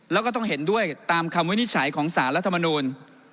แล้วก็ต้องเห็นด้วยตามคำวินิจฉัยของสารรัฐมนูล